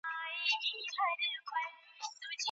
د شیدو محصولات کوم دي؟